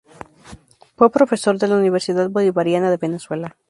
Fue profesor de la Universidad Bolivariana de Venezuela.